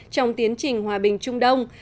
trong tiến trình hòa bình trung đông